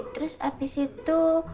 terus abis itu